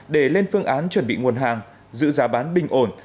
để lên phương án chuẩn bị nguồn hàng giữ giá bán bình ổn